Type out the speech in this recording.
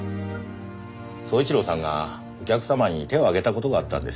宗一郎さんがお客様に手を上げた事があったんです。